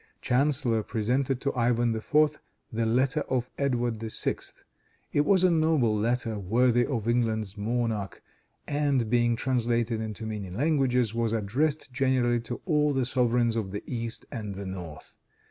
Chanceller presented to Ivan IV. the letter of Edward VI. It was a noble letter, worthy of England's monarch, and, being translated into many languages, was addressed generally to all the sovereigns of the East and the North.